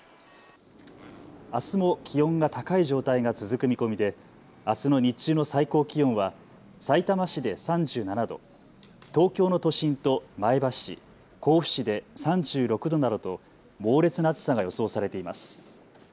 あすも気温が高い状態が続く見込みであすの日中の最高気温はさいたま市で３７度、東京の都心と前橋市、甲府市で３６度などと猛烈な暑さが予想されています。